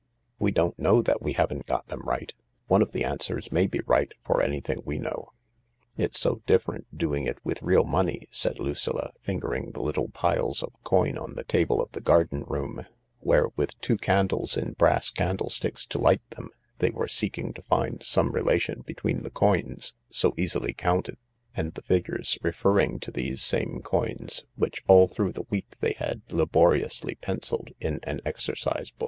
"We don't know that we haven't got them right. One of the answers may be right for anything we know. It's so different doing it with real money," said Lucilla, fingering the little piles of coin on the table of the garden room, where, with two candles in brass candlesticks to light them, they were seeking to find some relation between the coins— so easily counted— and the figures referring to these same coins which all through the week they had laboriously pencilled in an exercise book.